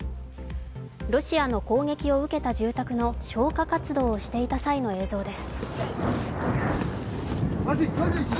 ロシアの攻撃を受けた住宅の消火活動をしていた際の映像です。